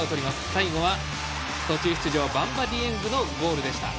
最後は途中出場バンバ・ディエングのゴールでした。